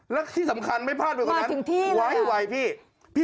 และที่สำคัญไม่พลาดจึงว่าไหวพี่